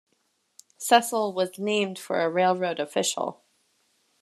Cecil was named for a railroad official.